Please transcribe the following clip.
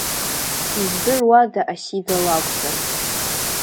Издыруада Асида лакәзар?